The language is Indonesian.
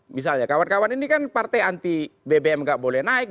misalnya kawan kawan ini kan partai anti bbm nggak boleh naik